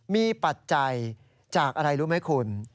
มีปัจจัยจากอะไรรู้ไหมคุณ